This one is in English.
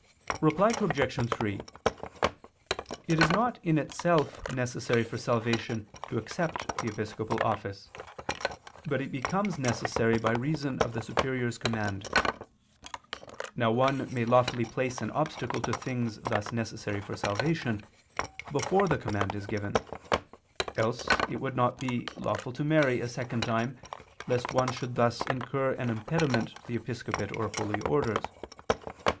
Reply Obj. 3: It is not in itself necessary for salvation to accept the episcopal office, but it becomes necessary by reason of the superior's command. Now one may lawfully place an obstacle to things thus necessary for salvation, before the command is given; else it would not be lawful to marry a second time, lest one should thus incur an impediment to the episcopate or holy orders.